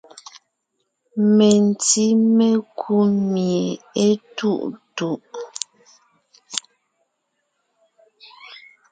Mentí mekú mie étuʼtuʼ.